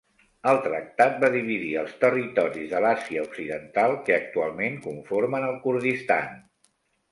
El tractat va dividir els territoris de l'Àsia occidental que actualment conformen el Kurdistan.